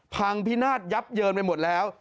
พังพินาศยับเยินไปหมดแล้ว